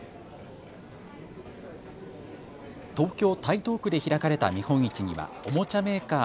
東京台東区で開かれた見本市にはおもちゃメーカー